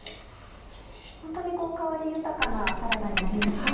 ホントにこう香り豊かなサラダになりましたね。